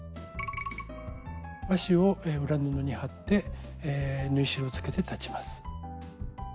和紙を裏布に貼って縫い代をつけて裁ちます。